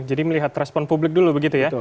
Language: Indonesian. jadi melihat respon publik dulu begitu ya